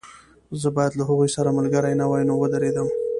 زه باید له هغوی سره ملګری نه وای نو ودرېدم